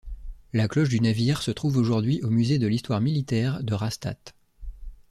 La cloche du navire se trouve aujourd'hui au musée de l'histoire militaire de Rastatt.